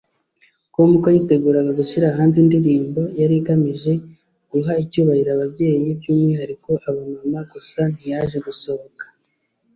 com ko yiteguraga gushyira hanze indirimbo yari igamije guha icyubahiro ababyeyi by’umwihariko abamama gusa ntiyaje gusohoka